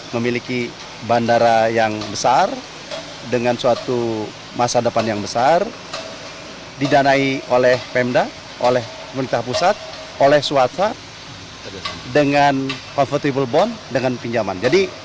memiliki bandara yang besar dengan suatu masa depan yang besar didanai oleh pemda oleh pemerintah pusat oleh swasta dengan comfortable bond dengan pinjaman